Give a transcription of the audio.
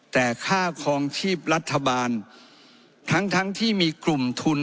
แต่ค่าคลองชีพรัฐบาลทั้งทั้งที่มีกลุ่มทุน